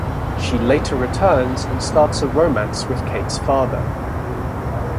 She later returns and starts a romance with Kate's father.